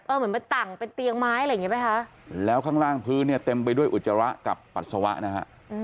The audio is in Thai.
เหมือนมันต่างเป็นเตียงไม้อะไรอย่างเงี้ไหมคะแล้วข้างล่างพื้นเนี่ยเต็มไปด้วยอุจจาระกับปัสสาวะนะฮะ